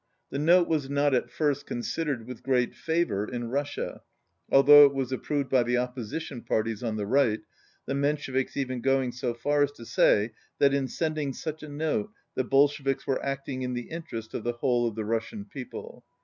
The note was not at first considered with great favour in Rus sia, although it was approved by the opposition parties on the right, the Mensheviks even going so far as to say that in sending such a note, the Bolsheviks were acting in the interest of the w^hole of the Russian people.